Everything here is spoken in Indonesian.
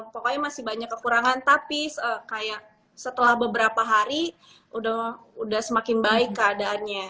pokoknya masih banyak kekurangan tapi kayak setelah beberapa hari udah semakin baik keadaannya